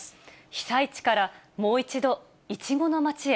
被災地からもう一度、イチゴの町へ。